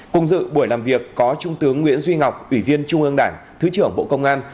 cùng dự buổi làm việc có trung tướng nguyễn duy ngọc ủy viên trung ương đảng thứ trưởng bộ công an